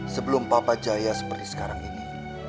sebelum papa jaya seperti sekarang ini